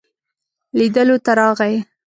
لیدلو ته راغی.